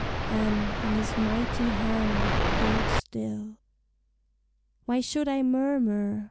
And, in his mighty hand, hold still. Why should I murmur?